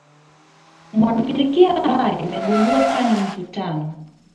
mwanafizikia ambaye amegundua kani mvutano